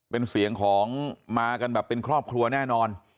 เป็นเสียงของมากันแบบเป็นครอบครัวแน่นอน